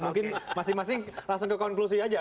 mungkin masing masing langsung ke konklusi aja